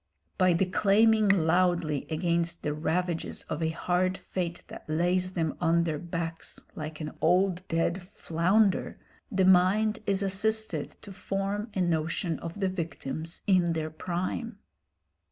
By declaiming loudly against the ravages of a hard fate that lays them on their backs "like an old dead flounder," the mind is assisted to form a notion of the victims in their prime.